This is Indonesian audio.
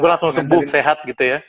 langsung sembuh sehat gitu ya